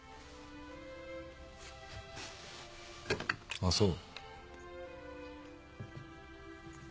あっそう。